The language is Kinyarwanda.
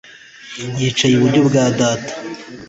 yicay'iburyo bwa data